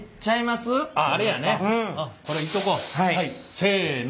せの。